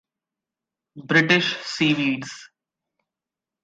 British Seaweeds.